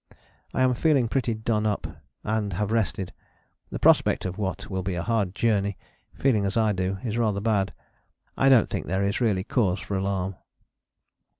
I am feeling pretty done up, and have rested. The prospect of what will be a hard journey, feeling as I do, is rather bad. I don't think there is really cause for alarm."